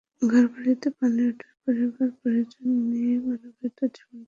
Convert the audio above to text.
ঘরবাড়িতে পানি ওঠায় পরিবার পরিজন নিয়ে মানবেতর জীবন কাটাতে বাধ্য হচ্ছে পরিবারগুলো।